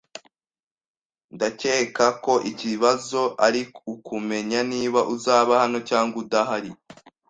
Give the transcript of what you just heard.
Ndakeka ko ikibazo ari ukumenya niba uzaba hano cyangwa udahari.